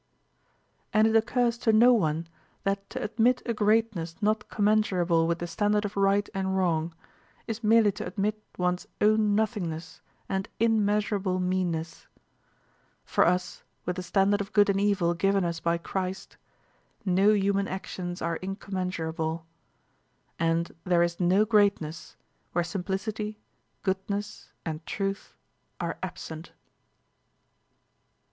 And it occurs to no one that to admit a greatness not commensurable with the standard of right and wrong is merely to admit one's own nothingness and immeasurable meanness. For us with the standard of good and evil given us by Christ, no human actions are incommensurable. And there is no greatness where simplicity, goodness, and truth are absent.